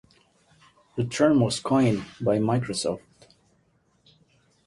The term was coined by Microsoft.